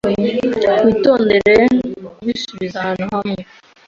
Witondere kubisubiza ahantu hamwe.